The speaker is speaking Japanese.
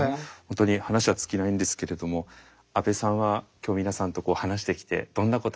本当に話は尽きないんですけれども阿部さんは今日皆さんと話してきてどんなことを感じましたか？